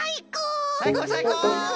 さいこうさいこう！